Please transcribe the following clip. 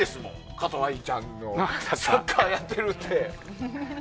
かとうあいちゃんがサッカーやってるって。